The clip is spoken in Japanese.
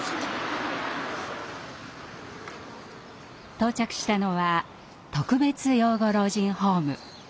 到着したのは特別養護老人ホーム。